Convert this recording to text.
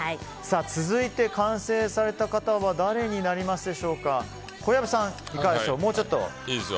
続いて完成された方は誰になりますか、小籔さんは。